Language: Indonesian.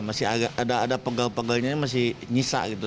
masih ada pegal pegalnya masih nyisa gitu